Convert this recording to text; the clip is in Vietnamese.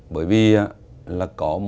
bởi vì là có một